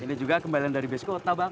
ini juga kembali dari bisco kota bang